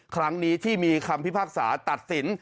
ครั้งนี้ที่มีคำพิพากษาตัดสิน